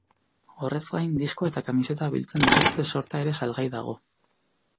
Horrez gain, diskoa eta kamiseta biltzen dituen sorta ere salgai dago.